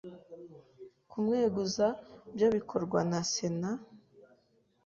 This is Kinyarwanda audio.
kumweguza byo bikorwa na Sena,